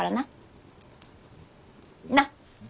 なっ！